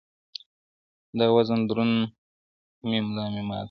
• دا وزن دروند اُمي مُلا مات کړي..